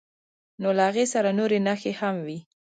نو له هغې سره نورې نښې هم وي.